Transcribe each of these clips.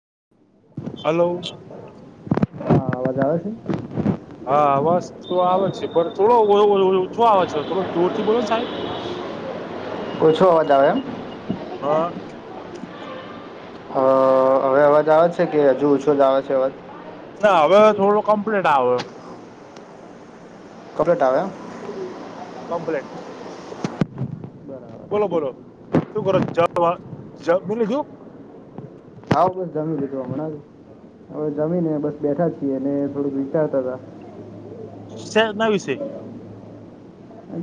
[unintelligible] Hello. હા, અવાજ આવે છે. હા અવાજ તો આવે છે જોર થી બોલો, સાહેબ. ઓછો અવાજ આવે એમ હા. [unintelligible] અ હવે અવાજ આવે છે કે હજુ ઓછો જ આવે છે અવાજ? હવે, થોડો કમ્પ્લીટ આવે. કપલીટ આવે. કપલીટ. બોલો, બોલો. શું કરો છો? મિ શું આવા ક જમી લીધવા મણા. હવે જમીને બસ બેઠા છીએ અને થોડુંક વિચારતા હતા. શેના વિશે?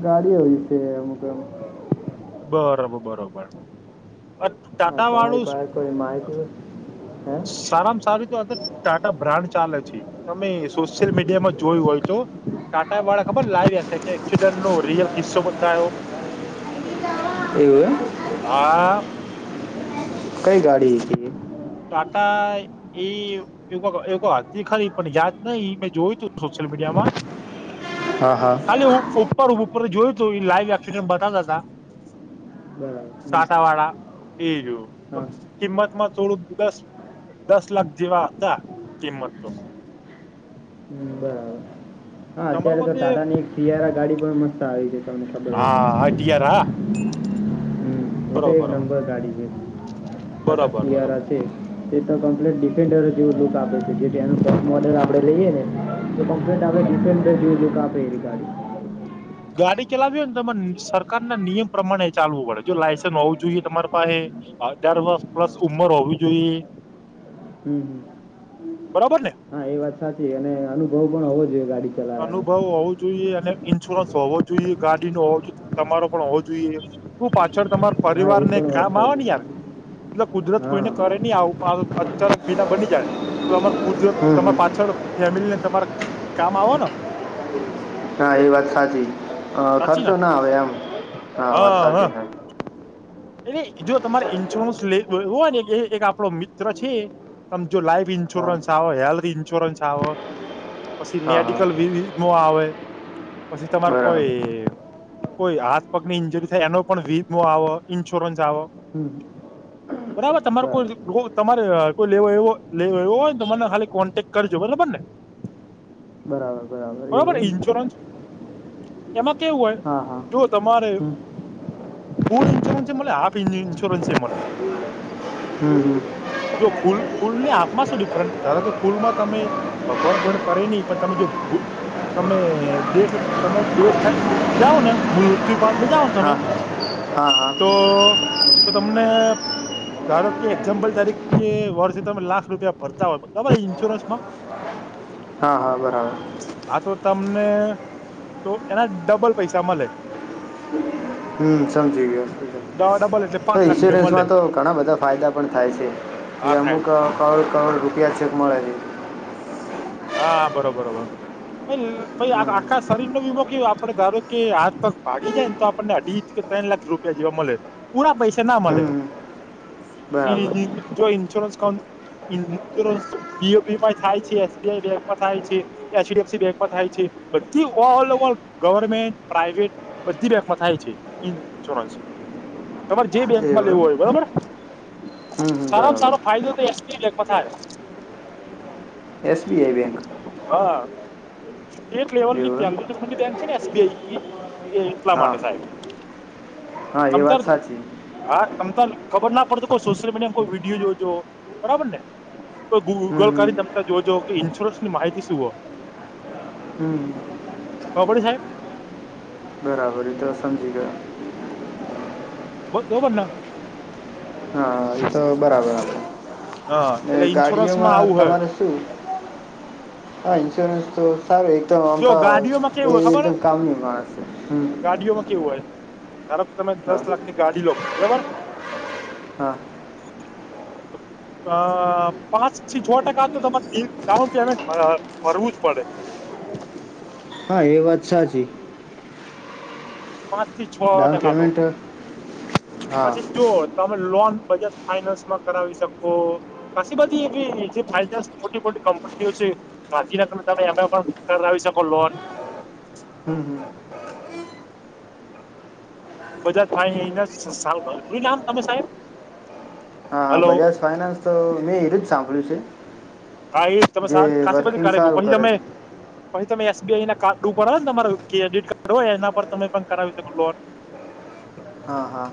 ગાડી હોય છે અમુક બરોબર, બરોબર. હા ટાટા તમારી વાળું. પાસે કોઈ માહિતી હોય સારામાં સારી તો અગર ટાટા બ્રાન્ડ ચાલે. તમે સોશિયલ મીડિયા માં જોયું હોય તો. કાંટા વાળા ખબર લાઈવ [unintelligible] એકસીડનટનો રિયલ કિસ્સો બતાયો હે એવું એમ હા. કઈ ગાડી હતી એ ટાટા એ [unintelligible] હતી ખારી પણ યાદ નઈ મેં જોયું તું સોસલમીડીયામડ હા હા ખાલી ઉપર ઉપર જોયું તો લાઈવ એસિડન્ટ બતા તા તા બરાબર હમ. સાટા વાળા એ જોયું હા કિંમતમાં થોડું દસ દસ લાખ જેવા હતા કિંમત તો હમ બરાબર હા તમાર અત્યારે તો મતે તાતાની એક શીયારા ગાડી પણ મસ્ત આવી છે, તમને ખબર હોય તો? હા હા ટીયાર હા હમ એ તો એક બરોબર નંબર ગાડી છે, બરોબર ટાટા બરોબર સિયાર બરોબર છે, તે તો ડિફેન્ડર જેવું લુક આપે છે, જેંનું ટોપ મોર્ડર આપણે લઈએ ને [unintelligible] કમ્પ્લેન્ટ આપણે ડિફેન્ડ [unintelligible] ગાડી ગાડી ચલાવી હોય ને તમારે સરકાર ના નિયમ પ્રમાણે ચાલવું પડે જો લાયસન્સ હોવું જોઈએ તમારી પાહે અઠાર વર્ષ હા. પ્લસ ઉમર હોવી જોઈએ. હમ હમ. બરાબર ને? હા એ વાત સાચી અને અનુભવ પણ હોવો જોઈએ ગાડી ચલાવવાનો અનુભવ હોવું જોઈએ અને ઇન્સ્યોરન્સ હોવો જોઈએ. ગાડી નો હોવો જોઈએ, તમારો પણ હોવો જોઈએ. પાછો છોડ તમાર હા એ પરિવારને પણ વાત કામ સાચી આવે યાર એલે કુદરત હા કોઈને કરે ની આવું પણ અચાનક બીલા બની જાય તો તમાર કુદરત હમ તમાર હમ પાછ ળ ફેમિલી ને તમારા કામ આવ ન હા એ વાત સાચી અ સાચી ખર્ચો ને ના આવે એમ હા વાત સાચી એટલે જો તમારે ઈન્સ્યોરન્સ લે [unintelligible] હોય ને એક આપડો મિત્ર છે. જો લાઈફ હા ઈન્સ્યોરન્સ આવે હેલ્થ ઈન્સ્યોરન્સ આવ પછી હા હા મેડિકલ વિ વિમો આવે પછી તમાર બરાબર કોઈ કોઈ હાથ પગની ઈન્જરી થાય એનો પણ વીમો આવ ઈન્સ્યોરન્સ આવ હમ. બરાબર તમારે કોઈ તમારે કોઈ [unintelligible] તો મને ખાલી કોન્ટેક કરજો બરાબર ને બરાબર. બરાબર બરોબર એવું એમ ઇન્સ્યોરન્સ એમાં કેવું હોય હા હા જો તમારે હમ ફૂલ ઇન્સ્યોરન્સ એ મલે હાફ ઇન્સ્યોરન્સ એ મલે હમ હમ. જો ફૂલ ફૂલ ને હાફમાં શું ડિફરન્ટ ધારો કે ફૂલમાં તમે ભગવાન કોઈને કરે ની પણ તમે જો [inaudible] તમે દેટ તમે દેટ થાય જાઓ ને મૃતયુ પામી જાવ તમે હા હા હા તો તો તમને ધારો કે એક્ઝામ્પલ તરીખ કે વર્ષે તમે લાખ રૂપિયા ભરતા હોય બરાબર ઇન્સ્યોરન્સમાં હા હા બરાબર હા તો તમને તો એના ડબલ પૈસા મલે હમ સમજી ગયો એટલે તો પાંચ લાખ રૂપિયા મળે ઈન્સ્યોરન્સમાં તો ઘણા બધા ફાયદા પણ થાય છે. હા એ અમુક થાય કવળ કવળ રૂપિયા ચેક મળે હા બરોબરોબર [unintelligible] હમ આખા શરીરનો વીમો કેવો આપડે ધારો કે હાથ પગ ભાગી જાય ત આપણને અઢી ત્રણ લાખ રૂપિયા જેવા મલે પૂરા પૈસા ના હમ મલે હમ. બરાબર [unintelligible] જો [unintelligible] બી ઓ બીમા થાય છે. બેંકમાં થાય છે અચ. ડિ. એફ. સી બેકમાં થાય છે બધી ઓલ ઓવ ગવર્મેન્ટ પ્રાઈવેટ બધી બેકમાં થાય છે ઇન્સ્યોરન્સ તમારે જે બેંકમાં એવું લેવું એમ હોય બરોબર હમ હમ સારામાં બરાબર સારો ફાયદો તો એસ. પી લેકમાં થાય એસબીઆઈ બેંક હા સ્ટેટ લેવલ ની એવું એમ ત્યા [unintelligible] છે ને એસ. બી. આઈ એટલા હા માટે સાહેબ હા સમ એ વાત સાચી હા સમ [unintelligible] ખબર ના પડતો કોઈ સોશિયલ મીડિયા માં કોઈ વિડીયો જોજો બરાબર ને કોઈ હમ ગૂગલ હમ કરીને જોજો કે ઇન્સ્યોરન્સ ની માહિતી શું હો હમ બડ સાહેબ બરાબર તો સમજી ગયો બ એ [unintelligible] બનના હા તો બરાબર હા આપડે એટલે ઇન્સ્યોરન્સમાં ગાડીઓમાં આવું હોય તમારે શું ઈન્સુરન્સ તો તાર એકદમ આમ જો તો ગાડીઓમાં કેવું એ હોય ખબર એકદમ કામની મા છે હમ તારો તમે હા દસ લાખની ગાડી લો બરાબર હા અ પાંચ થી છો ટકા તો તમારે ડાઉન પેમેન્ટ ભરવું જ પડે હા એ વાત સાચી પાંચ થી છ ડાઉન ટકા તો પેમેન્ટ હા પછી જો તમે લોન બજાજ ફાઈનાન્સ માં કરાવી શકો કાશી બધી એવી જે ફાઈનાન્સ મોટી મોટી કંપનીઓ છે [unintelligible] ના તમે એમે પણ કરાવી શકો લોન હમ હમ બજાજ ફાઇનાન્સ [unintelligible] નામ તમે સાહેબ હાહા હલો બજાજ ફાઈનાન્સ તો મેં એ જ સાંભળ્યું છે ભાઈ તમે જે [unintelligible] કા બી વર્કિંગ કાર સારું પછી કરે તમે છે તમે એસ. બી. આઈના કાર્ડ ઉપર હો ને તમારો ક્રેડિટ કાર્ડ હોય એના પર તમે પણ કરાવી શકો લોન [unintelligible] હા હા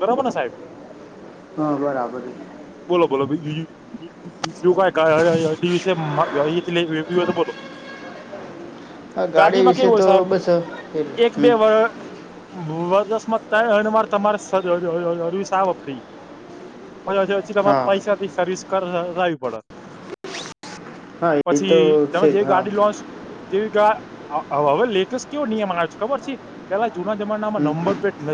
બરોબરને સાહેબ હા બરાબર છે બોલો બોલો [unintelligible] ક દિવસે હોય તો બોલો હા ગાડી ગાદીમાં વિશે કેવું હોય તો સાહેબ બસ એટલું એક બે હમ વ વરજસ્મત [unintelligible] થાય મારે તમારે હરવી સાા વખઈ હ પછી તમારે હા પૈસાથી સર્વિસ કરાવી પડે હા એ તો પછી તમે છે જ જેવી હા ગાડી [unintelligible] લોન્ચ જેવી હવે લેટેસ્ટ કેવો નિયમ આવે્યો છે ખબર છે પેલા જૂના જમાનામાં હમ નંબર પ્લેટ ન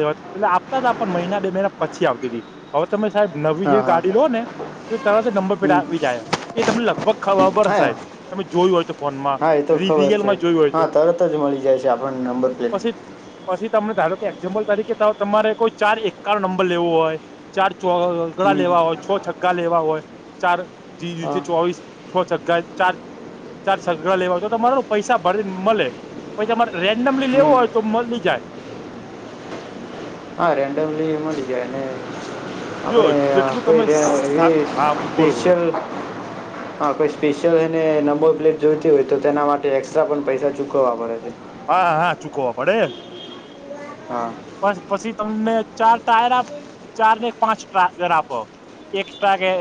એટલે [unintelligible] પણ મહિના બે મહિના પછી આવતી ગઈ હવે તમે સાહેબ નવી હા જેવી હા ગાડી લો ને તરત અજ નંબર પ્લેટ હમ આવી જાય એ તમને લગભગ ખબર હસે હા સાહેબ તમે જોયું હો છો ફોનમાં હા એ તો ખબર છે રિયલમાં જોયું હોય હા તો તરત જ મળી જાય છે આપણને નંબર પ્લેટ પછી પછી તમને [unintelligible] ધારો કે એક્ઝામ્પલ તરીકે તમારે કોઈ ચાર એક નંબર લેવો હોય ચાર ચો હમ લેવા હોય છ છગ્ગા લેવા હોય ચાર હા [unintelligible] ચોવીસ છ છગ્ગા ચાર ચાર સઘડા લેવા તો તો તમાર પૈસા ભરીને મળે પછ તમારે [unintelligible] રેન્ડમલી લેવું હમ હોય તો મળી જાય હા રડ [unintelligible] ઉલલી મડી જો આપણે જેટલું પ તમે રહ એ હા બોલો બોલો સ્પેેશિલ હા કોઈ સ્પેશિયલ છે ને નંબો પ્લેટ જોઈતી હોય તો તેના માટે એકસ્ટ્રા પણ પૈસા ચૂકવવા પડે છે હા હા ચૂકવવા પડે હા પ પછી તમને ચાર ટાયર ચાર ને પાંચ ટાયર આપો એક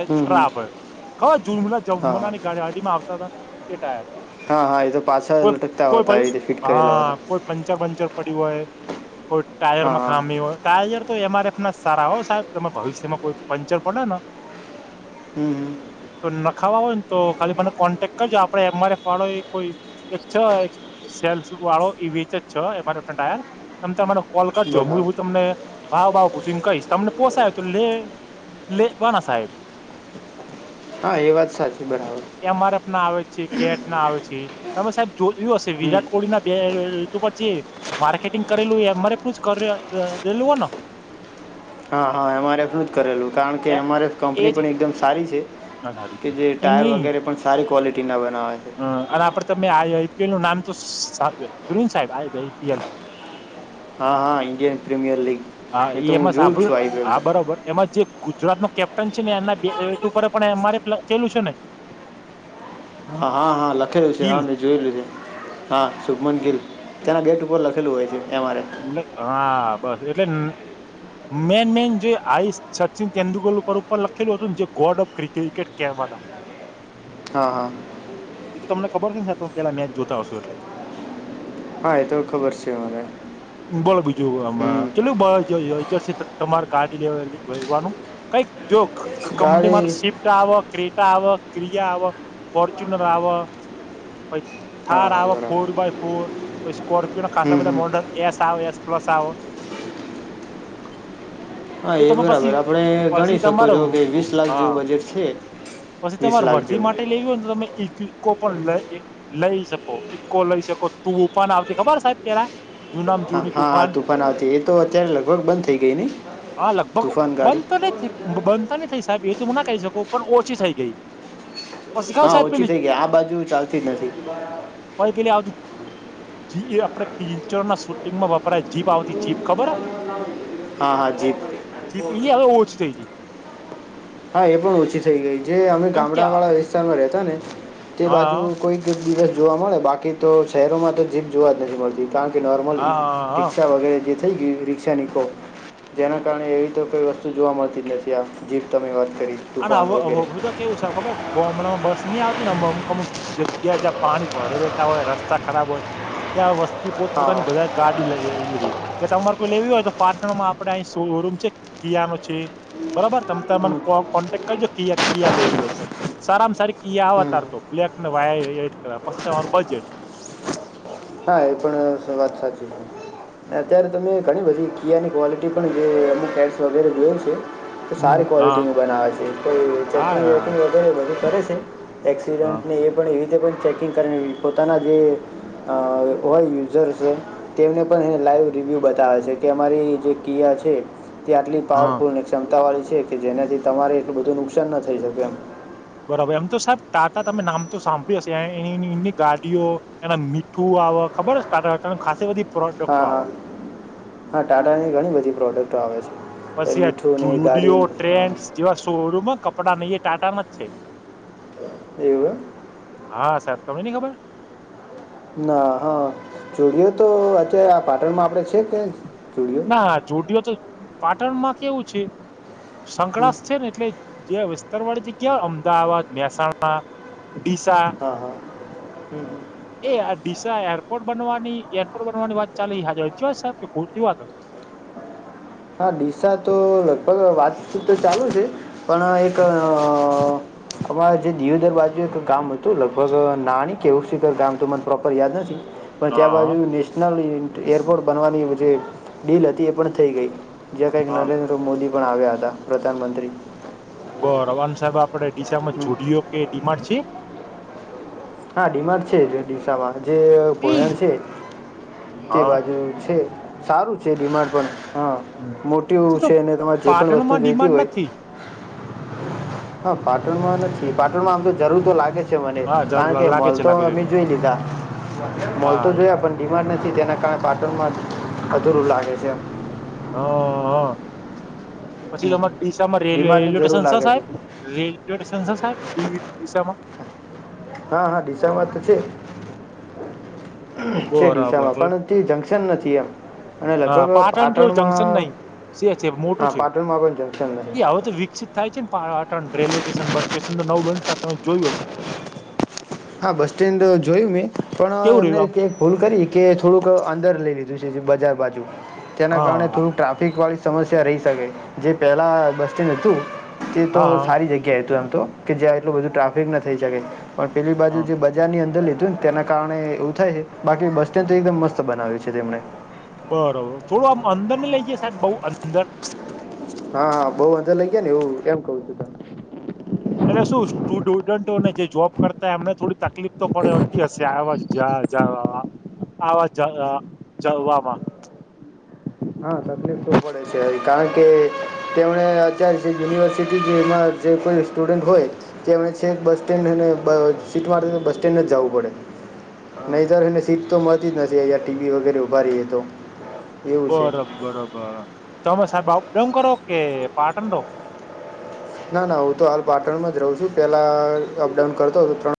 હમ હમ ્રા આપડ ખબર જમ હા હા જમનાની ગાડી આટીમાં આવતા હતા એ ટાયર હા હા એ તો પાછા કોઈ લટકતા કોઈ હોતા પછી એવી રીતે ફિટ કરેલા હા હોતા કોઈ પંચર પંચર પડ હોય કોઈ ટાયર હા માં હા ખામી હોય ટાયર તો એમ આર એફ ના સારા હો સાહેબ એમાં ભવિષ્યમાં કોઈ પંચર પડે ને હમ હ ન ખાવા હોયને તો ખાલી મને કોન્ટેક કરજો આપડે એમઆરફ વાળો કોઈ એક છે વાળો વચ જ છે એાયર તને કોલ કરજો હું હું બરાબર તમને ભાવ ભાવ પૂછીને કહીશ તમને પોસાય તો લે લે વાના સાહેબ હા એ વાત સાચી બરાબર એમ આર એફ ના આવે છે કેટ ના આવે છે હ સાહેબ જોયું હશે હમ વિરાટ કોહલી ના બે ઋતુ ઉપ જે માર્કેટિંગ કરેલું અરે કરેલું હો ને હા હા એમ આર એફ નું જ કરેલું કારણ કે એમ આર એફ કંપની એજ પણ એકદમ સારી છે સારી કે છે જે એ ટાયર નહી વગેરે પણ સારી ક્વોલિટીના બનાવે છે અને આપડે આઈપીએલ નું નામ તો ગરીંદ સાહેબ આ આઈપીએલ હા હા ઇડિયન પ્રીમિયર લીગ હા એ તો હું એમાં જોઉં જ છું સાંભળ્યું આઈપીએલ હા તો બરોબર એમાં જે ગુજરાત ન કેપ્ટન છે ને એનાટ ઉપર પણ અમારે કેલું છે ને હ હા હા લખેલું છે ગીલ હા મેં જોયેલું છે હા શુભમન ગિલ તના બેટ ઉપર લખેલું હોય છે એમઆરએ એટ હા બસ એટલે મેન મેન જે આસ સચિન તેંદુલકર ઉપર પણ લખેલું હતું જે ગોડ ઓફ ક્રિકેટ કેમ બતા હા હા તમને ખબર ત પેલા મેચ જોતા હશો એટલે હા એ તો ખબર છે અરે બોલો બીજું આમાં કેટલું ભાવ જો યોજ છે તો તમારે કારાડી લેવાનું કઈક જો કંપનીમાં ગાડી શિફ્ટ આવે ક્ર આવ ક્રિયા આવ ફોર્ચ્યુનર આવ પછ હા થાર હા હવા બરાબર ફોર બાય ફોર પછ સ્કોર્પિયોને ખાસ હમ હમ મોંડલ એસ પ્લસ આવો હા જો એ તમે બરાબર પછી આપણે ગણી પછી તમા શકો છો રું કે વીસ લાખ હા જેવું બજેટ છે પછી વીસ તમારે લાખ વરતી જેવું માટે લેવી હોયને તો તમે એક ઈકો પણ લઈ શકો ઈકો લઈ શકો તુંું પણ આવતી ખબર સાહેબ પરા હા હા તુફાન આવતી એ તો અત્યારે લગભગ બંધ થઇ ગઈ ને હા લગભગ બંધ તો નથીહ બંધ ન થઈ સાહેબ એ તોું ના કરીહી શકું પણ ઓછી થઈ ગઈ પછી ખાાવ હા સાદ ઓછી પેલી થઈ ગઈ આ બાજુ ચાલતી જ નથી પઈ પેલી આવતી જ એ આપડે પિક્ચર ના શૂટિંગમાં વપરાય જીપ આવતી જીપ ખબર હા હા જીપ જી હવે ઓછ થઈ જ હા એ પણ ઓછી થઈ ગઈ જે અમે કેમ કે ગામડા આ- વાળા વિસ્તારમાં રતા ને તે બાજુ હા કોઈક દિવસ જોવા મળે બાકી તો શહેરોમાં તો જીભ જોવા જ નથી મળતી ત કે નોર્મલ હા હા રિક્ષા વગેરે જે થઈ ગય રી્ષા નિકો જેના કારણે એવી તો કઈ વસ્તુ જોવા મળતી જ નથી આ જીપ તમે વાત કરી અને તુફાન વગેરે હું તો કેવું છે ખબર ગમડામાં બસ ની આવતી ને અમુક અમુક જગ્યા જ્યાં પાણી ભરે રહેતા હોય રસ્તા ખરાબ હોય ત્યાં વસ થી પોત હા પોતાની હા બધા ગાડી લઈને નીકળી કે તમાર કોઈ લેવી હોય તો પાટણમાં આપડે અહીં શોરૂમ છે કિયા નો છે બરાબર તમ તમન હમ કો કોન્ટેક્ટ કજો કિયા કિયા લેવી હોય તો સારામાં સારી કિયા આવ હમ અતાર તો બ્લેક ને વહાઈટ પછી તમારું બજેટ હા એ પણ સ વાત સાચી છે. અત્યારે તમે ઘણી બધી કિયાની ક્વોલિટી પણ જે અમુક કેડસ વગેરે જોઈ છે. તો સારી હા ક્વોલિટી નું બનાવે છે એક તો એ કોઈ હા ચટણી વટણી વગેરે બધું કરે સે. હા એક્સિડન્ટને એ પણ એવી રીતે પણ ચેકિંગ કરીને પોતાના જે અ ઓલ યુઝર્સ છે તેમને પણ એને લાઈવ રિવ્યૂ બતાવે છે કે અમારી જે કિયા છે તે આટલી હા પાવરફુલ અને ક્ષમતા વાળી છે કે જેનાથી તમારે એટલું બધું નુકસાન ના થઈ શકે એમ. બરાબર એમ તો સાહેબ ટાટા તમે નામ તો સાંભળ્યું હશે આ એની એની ગાડીઓ એના મીઠું અવ ખબર હ સ્ટાટ અકણ ખાસી બધી પણ હા હા હા ટાટાની ઘણી બધી પ્રોડક્ટો આવે છે. એ પછી મીઠું ને આ ગાડી ઝુડિયો હા ટ્રેન્ડસ જેવા સો રૂમ હ કપડા નઈ એ ટાટામાં જ છે. એવું એમ. હા સાહેબ તમે ની ખબર. ના હા ઝૂડિયો તો અત્યારે આ પાટણમાં આપડે છે કે જુડિયો ના ઝુડિયો તો પાટણમાં કેવું છે હમ, સંકરસ છે ને એટલે જે વિસ્તાર વાળી જગ્યા અમદાવાદ મહેસાણા ડીસા હા હા હમ હ. એ આ ડીસા એરપોર્ટ બનવાની એરપોર્ટ બનવાની વાત ચાલે એ હાચી વાત ચ્યોસ ક ખોટી વાત હ. [inaudible] હા ડીસા તો લગભગ વાતચીત તો ચાલુ છે પણ એક અ અમારે જે દિયોદર બાજુ એક ગામ હતું લગભગ નાની કે એવું શિખર કોઈ ગામ તો મને પ્રોપર યાદ નથી. પણ ત્યા બાજુ હા નેશનલ ઇન એરપોર્ટ બનવાની જે ડીલ હતી એ પણ થઈ ગઈ. જ્યાં કંઈક હા નરેન્દ્ર મોદી પણ આવ્યા હતા પ્રધાનમંત્રી. બર અન સાહેબ આપડે ડીસાામાં હમ. ઝૂડિયો કે ડીમાટ છે? હા ડીમાર્ટ છે જે ડીસામાં જે એ ભયમ છે તે બાજુ છે સારું છે ડિમાર્ટ પણ હા મોટીએવું શું તો છે અને તમારે જે પણ વસ્તુ પાટણમાં જોઈતી ડિમાન્ડ હોય નથી હ પાટણમાં નથી પાટણમાં આમ તો જરૂર તો લાગે છે મને. હા જરૂર કારણ કે લાગે મોલ છે તો લાગે છે અમે જોઈ લીધા મોલ હા તો જોયા પણ ડિમાર્ટ નથી તેના કારણે પાટણ માં અધુરું લાગે છે એમ. અ હ. પછી હમ તમ ડીસા માં રે ડીમાર્ટની રેલવે જરૂર સ્ટેશન સ લાગે છે સાહેબ રેલવે સ્ટેશન સ સાહેબ ડીસાામાં. હા હા ડીસા માં તો છે. છે ડીસાામાં બરાબર પણ તે જંક્શન નથી એમ અને લગભગ પાટણ માં સે છે મોટું છે નથી એ હવે તો વિકસિત થાય છે ને Patan railway station bus station. નવું બંસા આપણે જોયું હસે. હા બસ સ્ટેન્ડ જોયું મેં પણ અ કેવું એમને રહ્યું ભૂલ કરી કે થોડુંક અંદર લઈ લી રેવડી બજાર બાજુ તેના આમ કારણે હા થોડું ટ્રાફિક વાળી સમસ્યા રહી શકે જે પહેલાં બસ સ્ટેન્ડ હતું તે તો હા હા સારી જગ્યાએ હતું એમ. તો કે જ્યાં એટલું બધું ટ્રાફિક ના થઈ શકે પણ પેલી બાજુ હા જે બજારની અંદર લીધ ધન તેના કારણે એવું થાય હે બાકી બસ સ્ટેન્ડ તો એકદમ મસ્ત બનાવે છે તેમને. બરોબર થોડું આમ અંદર નઈ લઈ ગ્યા સાહેબ બઉ અન હા હ બહુ અંદર લઈ ગયા ને હું એમ કવું છું તમને. એટલે શું સ્ટૂડુડન્ટોને જે જોબ કરતા એમને થોડી તકલીફ તો પડેતી હશે આવા જ જ્યાં જવામાં આવા જ જવા જવામાં હા તકલીફ તો પડે છે કારણ કે તેમને અત્યાર જે યુનિવર્સિટી છે એમાં જે કોઈ સ્ટુડન્ટ હોય તે એમણે છે બસ સ્ટેન્ડ અને બ સીટ મા બસ સ્ટેન્ડ જવું પડે. નહી એને સીટ તો મળતી જ નથી અ ટીવી વગેરે ઉભા રએ તો. એવું છે બરોબર બરોબર ચમે સાહેબ એમ કરો કે પાટણ દો ના ના હું તો હાલ પાટણમાં જ રહું છું પેલા અપડાઉન કરતો ત્રણ